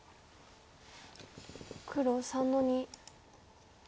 黒３の二。